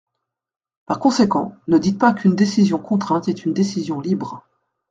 Par conséquent, ne dites pas qu’une décision contrainte est une décision libre.